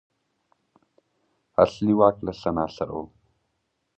اصلي واک له سنا سره و